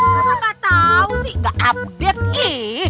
masa nggak tahu sih nggak update ini